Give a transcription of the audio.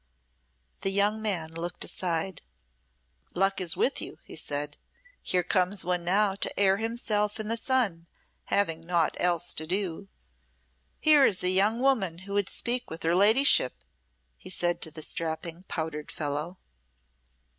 The young man looked aside. "Luck is with you," he said. "Here comes one now to air himself in the sun, having naught else to do. Here is a young woman who would speak with her ladyship," he said to the strapping powdered fellow.